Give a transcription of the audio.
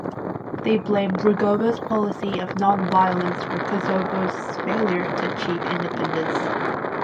They blamed Rugova's policy of non-violence for Kosovo's failure to achieve independence.